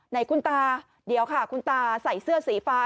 ไหนคุณตาเดี๋ยวค่ะคุณตาใส่เสื้อสีฟ้า